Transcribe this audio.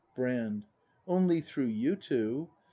Brand. Only through you two.